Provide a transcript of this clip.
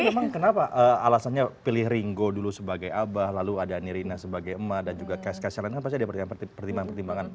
tapi memang kenapa alasannya pilih ringo dulu sebagai abah lalu ada nirina sebagai emak dan juga cash casher lain kan pasti ada pertimbangan pertimbangan